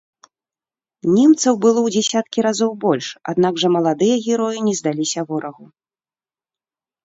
Немцаў было ў дзесяткі разоў больш, аднак жа маладыя героі не здаліся ворагу.